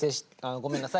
「ごめんなさい」。